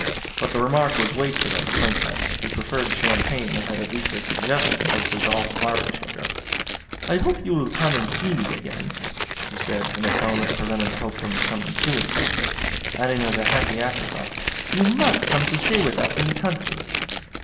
But the remark was wasted on the Princess, who preferred champagne that had at least a suggestion of dissolved barley sugar. "I hope you will come and see me again," she said, in a tone that prevented the hope from becoming too infectious; adding as a happy afterthought, "you must come to stay with us in the country."